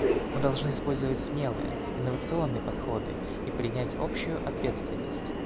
Мы должны использовать смелые, инновационные подходы и принять общую ответственность.